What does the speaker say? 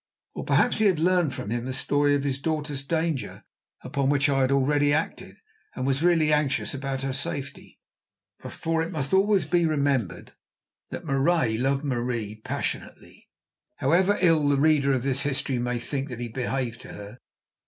Or perhaps he had learned from him the story of his daughter's danger, upon which I had already acted, and really was anxious about her safety. For it must always be remembered that Marais loved Marie passionately, however ill the reader of this history may think that he behaved to her.